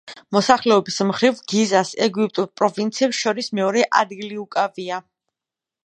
მოსახლეობის მხრივ გიზას ეგვიპტურ პროვინციებს შორის მეორე ადგილი უკავია.